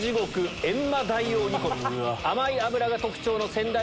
甘い脂が特徴の。